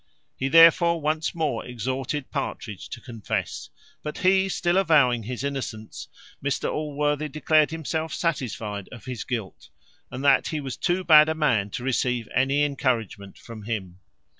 He therefore once more exhorted Partridge to confess; but he still avowing his innocence, Mr Allworthy declared himself satisfied of his guilt, and that he was too bad a man to receive any encouragement from him.